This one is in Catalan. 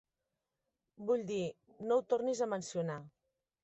Vull dir, no ho tornis a mencionar.